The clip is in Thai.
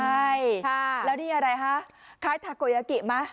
ใช่แล้วนี่อะไรฮะคล้ายทาโกยากิไหม